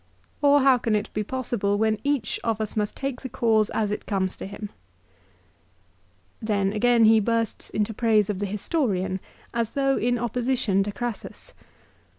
Or how can it be possible when each of us must take the cause as it comes to him ?" 2 Then again he bursts into praise of the historian, as though in opposition to Crassus.